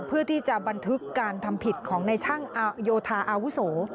เพื่อที่จะบันทึกการทำผิดของในช่างโยธาอาวุโส